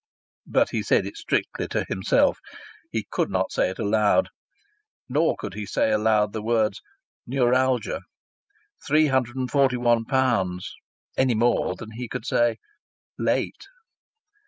But he said this strictly to himself. He could not say it aloud. Nor could he say aloud the words "neuralgia," "three hundred and forty one pounds," any more than he could say "late."